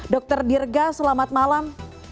dr dirga selamat malam